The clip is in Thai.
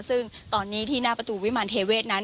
ซึ่งตอนนี้ที่หน้าประตูวิมารเทเวศนั้น